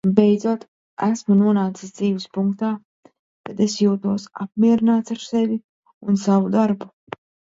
Beidzot esmu nonācis dzīves punktā, kad es jūtos apmierināts ar sevi un savu darbu.